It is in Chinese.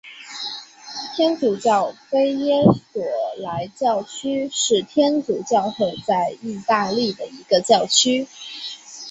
天主教菲耶索莱教区是天主教会在义大利的一个教区。